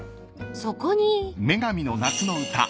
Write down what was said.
［そこに］